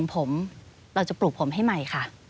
วันนี้เราก็จะเรียกซื้อเรื่องของผมเราจะปลูกผมให้ใหม่ค่ะ